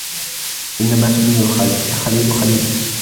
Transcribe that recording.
إنَّمَا سُمِّيَ الْخَلِيلُ خَلِيلًا